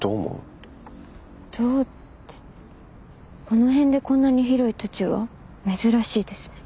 この辺でこんなに広い土地は珍しいですね。